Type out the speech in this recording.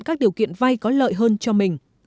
các điều kiện vay có lợi hơn cho mình